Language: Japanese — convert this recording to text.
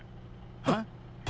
えっ⁉